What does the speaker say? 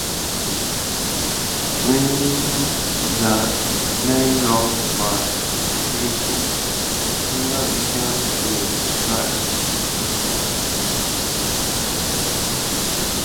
When the railroad was completed, Vega began to thrive.